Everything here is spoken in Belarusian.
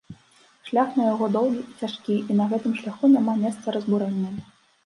Шлях да яго доўгі і цяжкі, і на гэтым шляху няма месца разбурэнням.